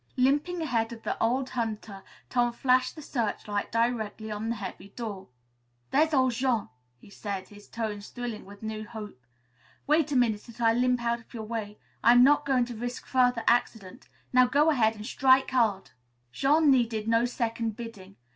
Limping ahead of the old hunter, Tom flashed the searchlight directly on the heavy door. "There's the door, Jean," he said, his tones thrilling with new hope. "Wait a minute until I limp out of your way. I'm not going to risk further accident. Now; go ahead and strike hard!" Jean needed no second bidding.